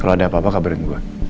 kalau ada apa apa kabarin gue